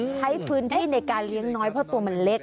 ใช้พื้นที่ในการเลี้ยงน้อยเพราะตัวมันเล็ก